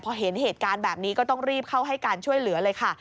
พอเห็นเหตุการณ์แบบนี้ก็ต้องรีบเข้าให้การช่วยเหลือเลยค่ะ